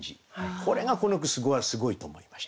これがこの句すごいと思いました。